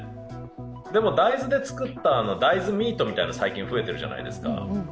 でも大豆で作った大豆ミートみたいの、最近、増えてるじゃないですか。